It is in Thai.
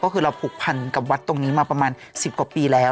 ก็คือเราผูกพันกับวัดตรงนี้มาประมาณ๑๐กว่าปีแล้ว